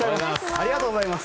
ありがとうございます。